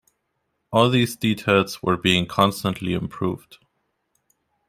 All these details were being constantly improved.